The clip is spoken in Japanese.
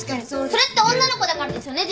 それって女の子だからですよね？